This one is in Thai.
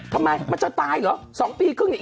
ทำไมมันจะตายเหรอ๒ปีครึ่งนี้